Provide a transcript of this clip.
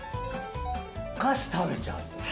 お菓子食べちゃう。